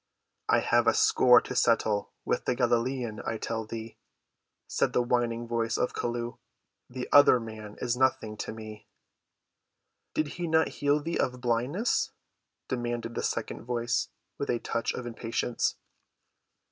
"I have a score to settle with the Galilean, I tell thee," said the whining voice of Chelluh. "The other man is nothing to me." "Did he not heal thee of blindness?" demanded the second voice with a touch of impatience.